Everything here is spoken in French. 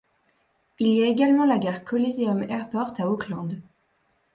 Il y a également la Gare Coliseum Airport à Oakland.